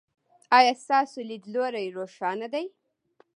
ایا ستاسو لید لوری روښانه دی؟